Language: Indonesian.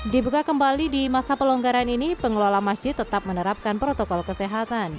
dibuka kembali di masa pelonggaran ini pengelola masjid tetap menerapkan protokol kesehatan